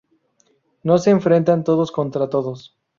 No se enfrentan todos contra todos.